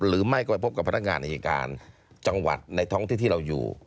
หรือไม่ก็ไปพบกับพนักงานอายการจังหวัดในท้องที่ที่เราอยู่